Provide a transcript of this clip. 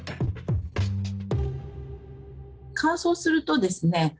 乾燥するとですね